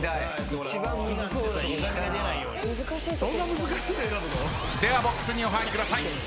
そんな難しいの選ぶの？ではボックスにお入りください。